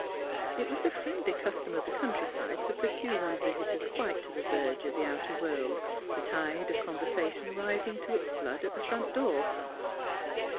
It was the friendly custom of the countryside to pursue one's visitors quite to the verge of the outer world, the tide of conversation rising to its flood, at the front door.